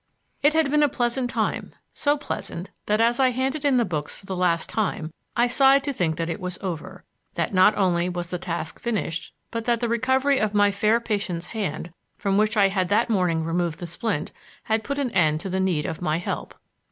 It had been a pleasant time, so pleasant, that as I handed in the books for the last time, I sighed to think that it was over; that not only was the task finished, but that the recovery of my fair patient's hand, from which I had that morning removed the splint, had put an end to the need of my help.